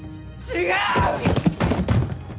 違う！